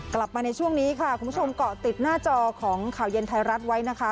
กลับมาในช่วงนี้ค่ะคุณผู้ชมเกาะติดหน้าจอของข่าวเย็นไทยรัฐไว้นะคะ